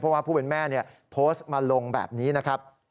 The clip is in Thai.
เพราะว่าผู้เป็นแม่โพสต์มาลงแบบนี้นะครับ